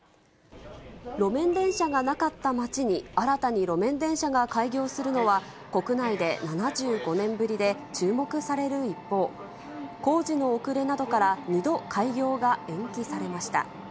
路面電車がなかった街に、新たに路面電車が開業するのは、国内で７５年ぶりで、注目される一方、工事の遅れなどから２度開業が延期されました。